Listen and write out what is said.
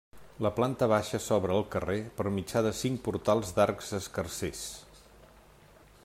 La planta baixa s'obre al carrer per mitjà de cinc portals d'arcs escarsers.